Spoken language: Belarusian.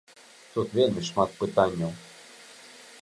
Тут вельмі шмат пытанняў.